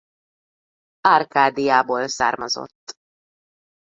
Árkádiából származott.